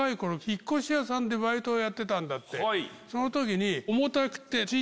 その時に。